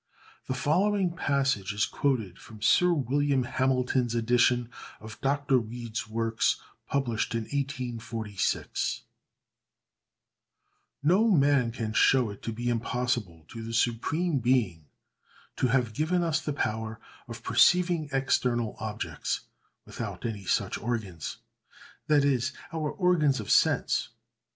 The following passage is quoted from Sir William Hamilton's edition of Dr. Reid's works, published in 1846:— "No man can show it to be impossible to the Supreme Being to have given us the power of perceiving external objects, without any such organs"—that is, our organs of sense.